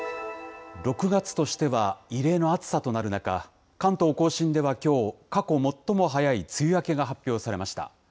６月としては異例の暑さとなる中、関東甲信ではきょう、過去最も早い梅雨明けが発表されました。